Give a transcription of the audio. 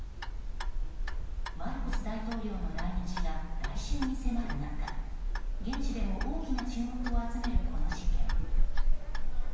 マルコス大統領の来日が来週に迫る中現地でも大きな注目を集めるこの事件。